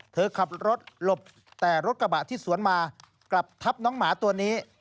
เธอขับรถหลบแต่รถกระบะที่สวนมากลับทับน้องหมาตัวนี้